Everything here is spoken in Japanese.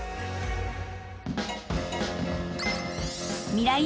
［ミライ☆